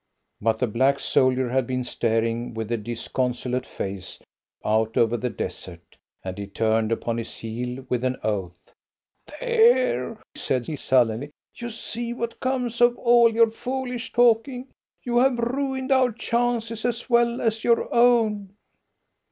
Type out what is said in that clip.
But the black soldier had been staring with a disconsolate face out over the desert, and he turned upon his heel with an oath. "There!" said he sullenly. "You see what comes of all your foolish talking! You have ruined our chances as well as your own!"